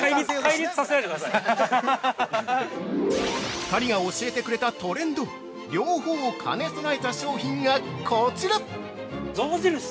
◆２人が教えてくれたトレンド、両方を兼ね備えた商品がこちら！